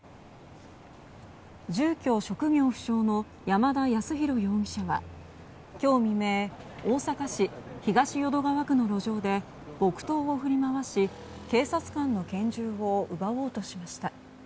住居職業不詳の山田康裕容疑者は今日未明大阪市東淀川区の路上で木刀を振り回し警察官の拳銃を奪おうとしました。